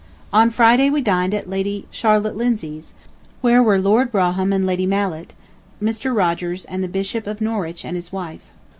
... On Friday we dined at Lady Charlotte Lindsay's, where were Lord Brougham and Lady Mallet, Mr. Rogers and the Bishop of Norwich and his wife.